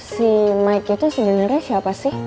si mike itu sebenarnya siapa sih